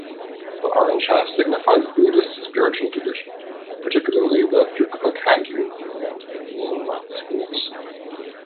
The orange half signifies Buddhist spiritual tradition, particularly the Drukpa Kagyu and Nyingma schools.